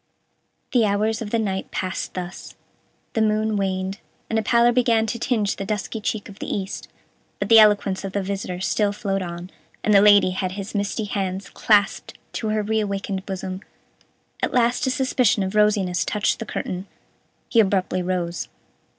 The hours of the night passed thus: the moon waned, and a pallor began to tinge the dusky cheek of the east, but the eloquence of the visitor still flowed on, and the Lady had his misty hands clasped to her reawakened bosom. At last a suspicion of rosiness touched the curtain. He abruptly rose.